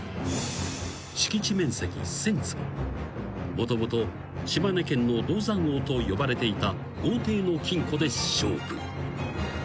［もともと島根県の銅山王と呼ばれていた豪邸の金庫で勝負］